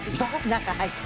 中入った？